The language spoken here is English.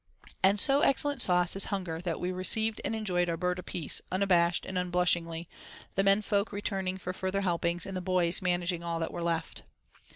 And so excellent a sauce is hunger that we received and enjoyed our "bird apiece" unabashed and unblushingly—the men folk returning for further helpings, and the "boys" managing all that were left.